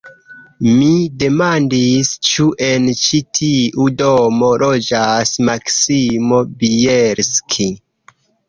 Mi demandis, ĉu en ĉi tiu domo loĝas Maksimo Bjelski.